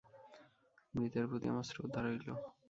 মৃতের প্রতি আমার শ্রদ্ধা রইল।